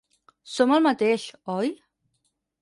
Som el mateix, oi?